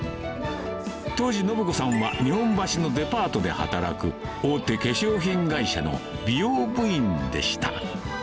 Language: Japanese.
当時、申子さんは日本橋のデパートで働く、大手化粧品会社の美容部員でした。